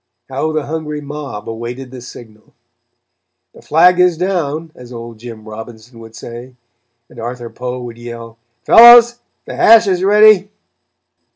How the hungry mob awaited the signal! "The flag is down," as old Jim Robinson would say, and Arthur Poe would yell: "Fellows, the hash is ready."